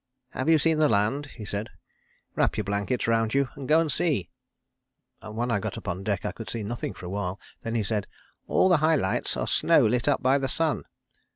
"Have you seen the land?" he said. "Wrap your blankets round you, and go and see." And when I got up on deck I could see nothing for a while. Then he said: "All the high lights are snow lit up by the sun."